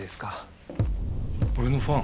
俺のファン。